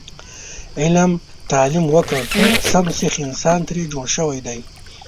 علي تعلیم وکړ سم سیخ انسان ترې جوړ شوی دی.